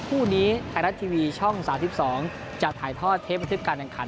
พรุ่นนี้ไทยรัฐทีวีช่องสาวที่สองจะถ่ายทอดเทปเทปการแข่งขัน